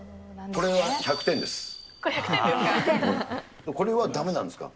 これ１００点ですか？